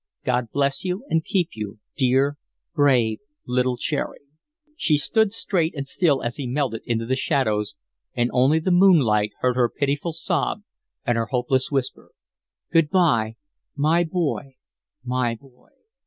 "God bless you and keep you, dear, brave little Cherry." She stood straight and still as he melted into the shadows, and only the moonlight heard her pitiful sob and her hopeless whisper: "Good bye, my boy, my boy."